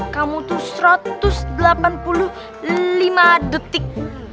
kamu tuh satu ratus delapan puluh lima detik